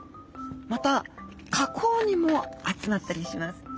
また河口にも集まったりします。